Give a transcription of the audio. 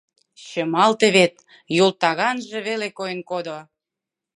Чымалте вет, йолтаганже веле койын кодо.